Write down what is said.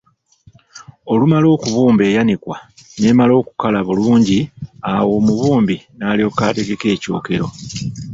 Olumala okubumba eyanikwa neemala okukala bulungi awo omubumbi n’alyoka ategeka ekyokero.